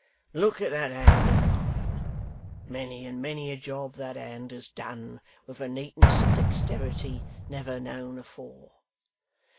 Look at that hand of mine many and many a job that hand has done, with a neatness and dexterity, never known afore.